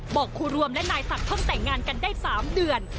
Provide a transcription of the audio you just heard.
ครูรวมและนายศักดิ์เพิ่งแต่งงานกันได้๓เดือน